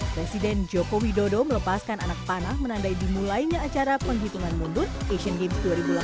presiden joko widodo melepaskan anak panah menandai dimulainya acara penghitungan mundur asian games dua ribu delapan belas